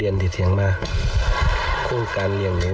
นี่ไงคุณเมีย